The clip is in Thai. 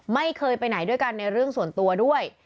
ไม่เคยไปไหนด้วยกันในเรื่องส่วนตัวด้วย